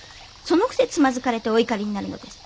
そのくせつまずかれてお怒りになるのです。